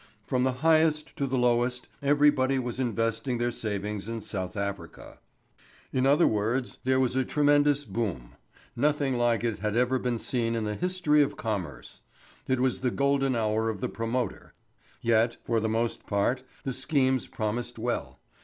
From the highest to the lowest everybody was investing their savings in South Africa. In other words, there was a tremendous "boom." Nothing like it had ever been seen in the history of commerce. It was the golden hour of the promoter. Yet, for the most part, the schemes promised well.